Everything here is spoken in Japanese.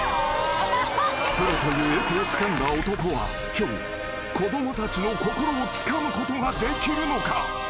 ［プロという栄光をつかんだ男は今日子供たちの心をつかむことができるのか？］